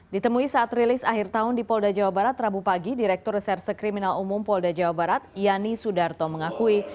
ditemui saat rilis akhir tahun di polda jawa barat rabu pagi direktur reserse kriminal umum polda jawa barat yani sudarto mengakui